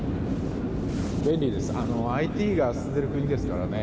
ＩＴが進んでいる国ですからね。